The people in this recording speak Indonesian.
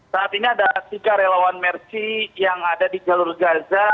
saat ini ada tiga relawan mersi yang ada di jalur gaza